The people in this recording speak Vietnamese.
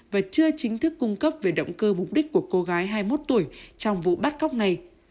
và chưa chính thức cung cấp về động cơ mục đích của cô gái hai mươi một tuổi trong vụ bắt cóc này